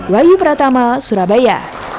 wayu pratama surabaya